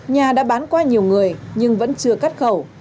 nhà đã bán qua nhiều người nhưng vẫn chưa cắt khẩu